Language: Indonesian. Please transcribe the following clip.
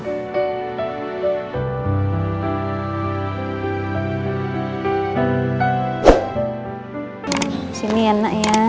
di sini enak ya